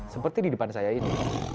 seperti di depan saya ini